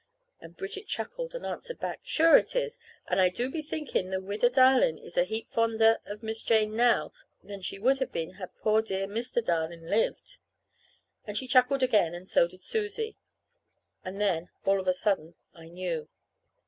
And Bridget chuckled and answered back: "Sure it is! An' I do be thinkin' the Widder Darlin' is a heap fonder of Miss Jane now than she would have been had poor dear Mr. Darlin' lived!" And she chuckled again, and so did Susie. And then, all of a sudden, I knew.